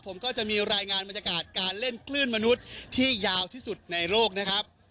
ผมก็จะมีรายงานบรรยากาศการเล่นคลื่นมนุษย์ที่ยาวที่สุดในโลกนะครับ